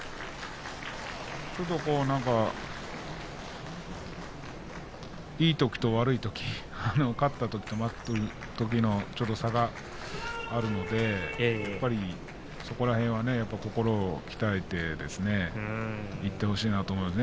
ちょっと、いいときと悪いとき勝ったときと負けたときの差があるのでやっぱりそこら辺は心を鍛えていってほしいなと思います。